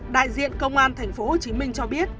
đại diện công an tp hcm cho biết